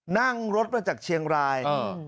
นั่งรถมาจากเชียงราย